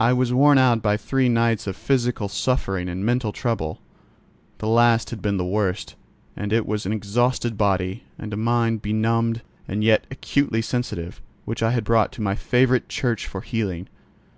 I was worn out by three nights of physical suffering and mental trouble: the last had been the worst, and it was an exhausted body, and a mind benumbed and yet acutely sensitive, which I had brought to my favourite church for healing.